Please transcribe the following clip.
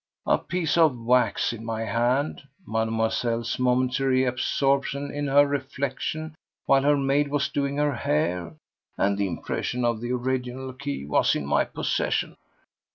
A piece of wax in my hand, Mademoiselle's momentary absorption in her reflection while her maid was doing her hair, and the impression of the original key was in my possession.